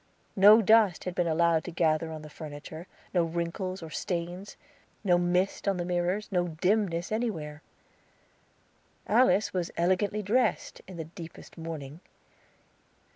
No dust had been allowed to gather on the furniture, no wrinkles or stains. No mist on the mirrors, no dimness anywhere. Alice was elegantly dressed, in the deepest mourning.